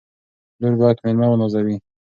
لور باید مېلمه ونازوي.